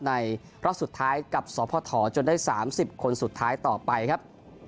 รอบสุดท้ายกับสพจนได้๓๐คนสุดท้ายต่อไปครับ